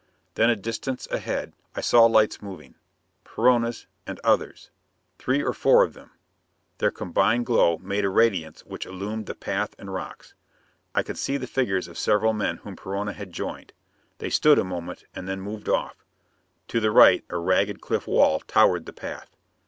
Then, a distance ahead, I saw lights moving. Perona's and others. Three or four of them. Their combined glow made a radiance which illumined the path and rocks. I could see the figures of several men whom Perona had joined. They stood a moment and then moved off. To the right a ragged cliff wall towered the path.